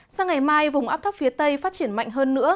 sang ngày mai vùng áp thấp phía tây phát triển mạnh hơn nữa